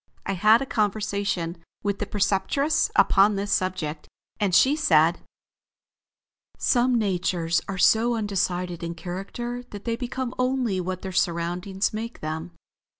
I had a conversation with the Preceptress upon this subject, and she said: "Some natures are so undecided in character that they become only what their surroundings make them.